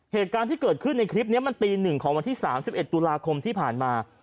เหตุการณ์ที่เกิดขึ้นในคลิปนี้มันตี๑ของวันที่๓๑ตุลาคมที่ผ่านมา